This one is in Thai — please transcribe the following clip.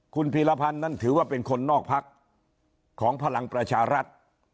คุณพีรพันธ์นั้นถือว่าเป็นคนนอกพักของพลังประชารัฐ